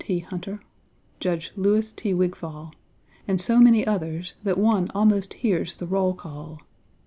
T. Hunter, Judge Louis T. Wigfall, and so many others that one almost hears the roll call.